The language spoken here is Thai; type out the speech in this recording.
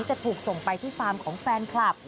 จะถูกส่งไปที่ฟาร์มของแฟนคลับ